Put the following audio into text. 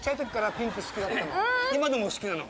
今でも好きなの？